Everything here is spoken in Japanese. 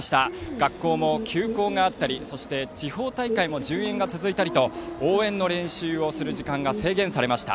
学校も休校があったり地方大会も順延が続いたりと応援の練習をする時間が制限されました。